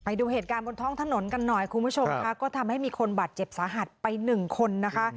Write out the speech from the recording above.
ดูเหตุการณ์บนท้องถนนกันหน่อยคุณผู้ชมค่ะก็ทำให้มีคนบาดเจ็บสาหัสไปหนึ่งคนนะคะ